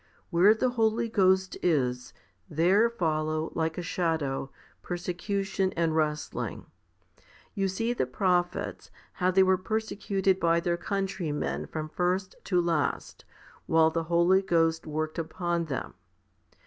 Where the Holy Ghost is, there follow, like a shadow, persecution and wrestling. You see the prophets, how they were persecuted by their countrymen from first to last, while the Holy Ghost worked upon them.